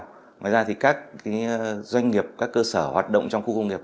ngoài ra thì các doanh nghiệp các cơ sở hoạt động trong khu công nghiệp